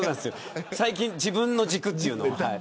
最近自分の軸というのをはい。